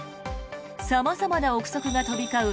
様々な臆測が飛び交う